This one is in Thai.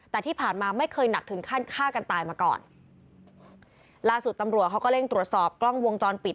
แต่ที่ผ่านมาไม่เคยหนักถึงขั้นฆ่ากันตายมาก่อนล่าสุดตำรวจเขาก็เร่งตรวจสอบกล้องวงจรปิด